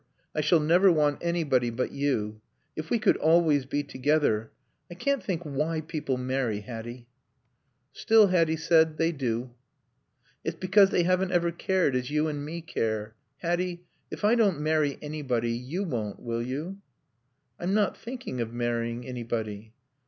I shall never want anybody but you. If we could always be together.... I can't think why people marry, Hatty." "Still," Hatty said, "they do." "It's because they haven't ever cared as you and me care.... Hatty, if I don't marry anybody, you won't, will you?" "I'm not thinking of marrying anybody."